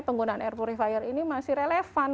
penggunaan air purifier ini masih relevan